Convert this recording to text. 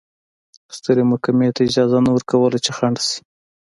سترې محکمې ته اجازه نه ورکوله چې خنډ شي.